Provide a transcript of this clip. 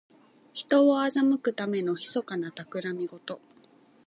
人を欺くためのひそかなたくらみごと。